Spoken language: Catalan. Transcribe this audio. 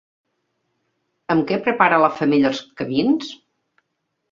Amb què prepara la femella els camins?